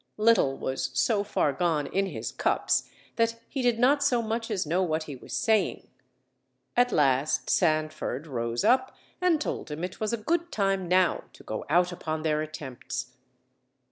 Little was so far gone in his cups that be did not so much as know what he was saying; at last Sandford rose up, and told him it was a good time now to go out upon their attempts.